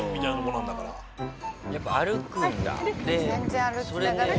やっぱ歩くんだ。